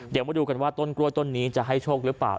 เดี๋ยวมาดูกันว่าต้นกล้วยต้นนี้จะให้โชคหรือเปล่า